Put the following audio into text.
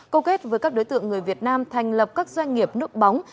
cầu kết với các đối tượng người việt nam thành lập các doanh nghiệp nước bóng